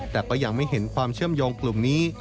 แต่ก็ยังไม่เห็นความเชื่อมโยงกลุ่มนี้